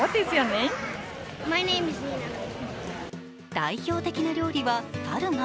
代表的な料理はサルマ。